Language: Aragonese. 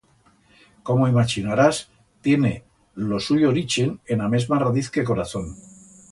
Como imachinarás, tiene lo suyo orichen en a mesma radiz que corazón.